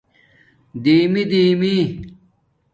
ِِِدِیمی دیمی